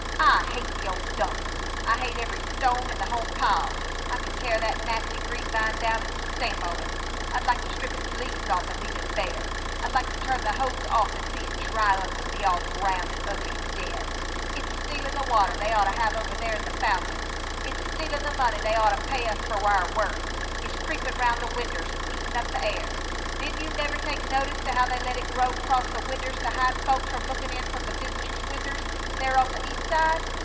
"I hate the old dump! I hate every stone in the whole pile! I could tear that nasty green vine down an' stamp on it. I'd like to strip its leaves off an' leave it bare. I'd like to turn the hose off and see it dry up an' be all brown, an' ugly, an' dead. It's stealin' the water they oughtta have over there in the fountain. It's stealin' the money they oughtta pay us fer our work! It's creepin' round the winders an' eatin' up the air. Didn't you never take notice to how they let it grow acrost the winders to hide folks from lookin' in from the visitor's winders there on the east side?